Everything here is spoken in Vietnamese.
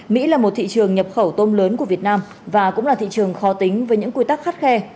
mỹ là một thị trường nhập khẩu tôm lớn của việt nam và cũng là thị trường khó tính với những quy tắc khắt khe